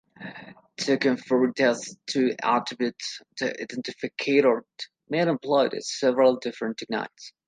To confirm these two attributes, the authenticator may employ several different techniques.